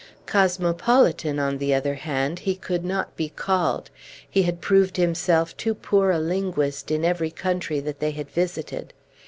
Cosmopolitan on the other hand, he could not be called; he had proved himself too poor a linguist in every country that they had visited.